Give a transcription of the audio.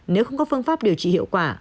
nếu không có phương pháp điều trị hiệu quả